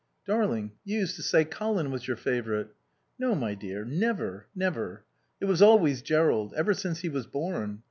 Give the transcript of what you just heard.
"Darling, you used to say Colin was your favourite." "No, my dear. Never. Never. It was always Jerrold. Ever since he was born.